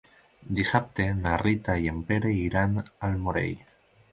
Dissabte na Rita i en Pere iran al Morell.